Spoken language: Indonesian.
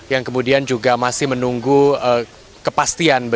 yang kemudian juga masih menunggu kepastian